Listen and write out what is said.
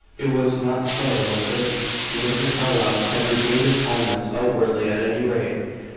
It was not so, was it?" Mr. Carlyle had regained his calmness, outwardly, at any rate.